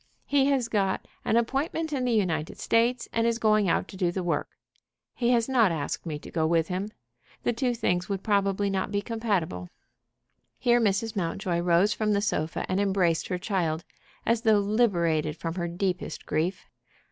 He has got an appointment in the United States, and is going out to do the work. He has not asked me to go with him. The two things would probably not be compatible." Here Mrs. Mountjoy rose from the sofa and embraced her child, as though liberated from her deepest grief.